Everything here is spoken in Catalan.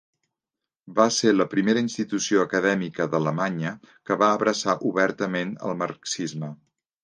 Va ser la primera institució acadèmica d'Alemanya que va abraçar obertament el marxisme.